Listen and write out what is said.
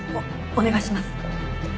おお願いします。